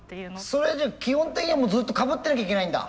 それじゃあ基本的にはもうずっとかぶってなきゃいけないんだ？